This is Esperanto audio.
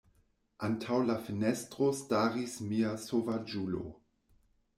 Antaŭ la fenestro staris mia sovaĝulo.